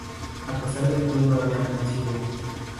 A pesar de todo habían vencido.